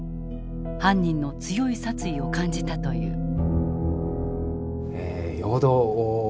犯人の強い殺意を感じたという。